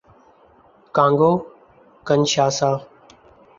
Congo - کنشاسا